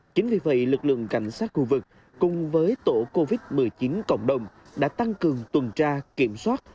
chính vì vậy lực lượng cảnh sát khu vực cùng với tổ covid một mươi chín cộng đồng đã tăng cường tuần tra kiểm soát